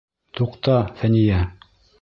Туҡта, Фәниә!